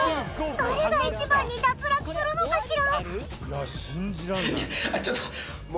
誰が一番に脱落するのかしら？